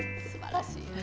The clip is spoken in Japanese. すばらしい。